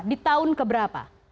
di tahun keberapa